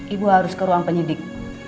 ibu harus ke ruang penyidik